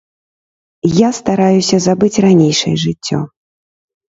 Я стараюся забыць ранейшае жыццё.